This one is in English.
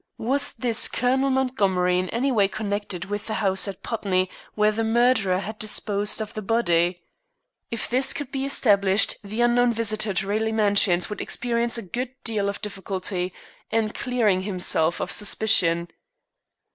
Was this "Colonel Montgomery" in any way connected with the house at Putney where the murderer had disposed of the body? If this could be established, the unknown visitor to Raleigh Mansions would experience a good deal of difficulty in clearing himself of suspicion.